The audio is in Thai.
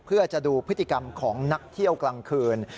เพื่อจะดูพฤติกรรมของนักเที่ยวกลางคืน